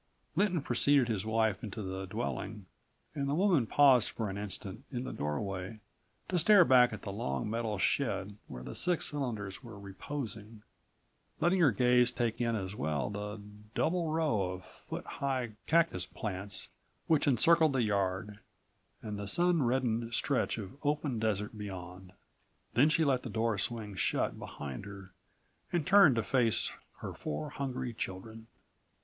Lynton preceded his wife into the dwelling and the woman paused for an instant in the doorway to stare back at the long metal shed where the six cylinders were reposing ... letting her gaze take in as well the double row of foot high cactus plants which encircled the yard and the sun reddened stretch of open desert beyond. Then she let the door swing shut behind her, and turned to face her four hungry children.